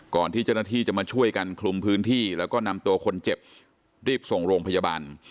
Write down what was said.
ที่เจ้าหน้าที่จะมาช่วยกันคลุมพื้นที่แล้วก็นำตัวคนเจ็บรีบส่งโรงพยาบาล